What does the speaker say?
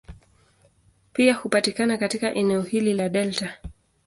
Pia hupatikana katika eneo hili la delta.